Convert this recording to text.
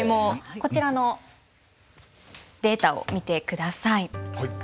こちらのデータを見てください。